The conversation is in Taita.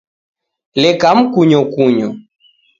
Leka mkunyokunyo